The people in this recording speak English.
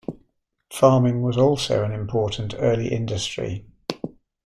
Farming was also an important early industry.